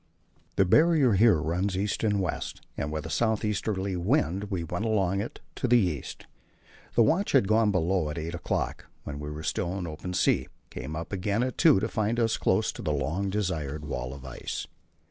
The Barrier here runs east and west, and with a south easterly wind we went along it to the east. The watch that had gone below at eight o'clock, when we were still in open sea, came up again at two to find us close to the long desired wall of ice.